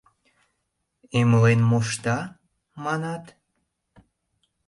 — Эмлен мошта, манат?..